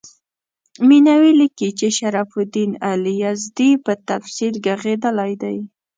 مینوي لیکي چې شرف الدین علي یزدي په تفصیل ږغېدلی دی.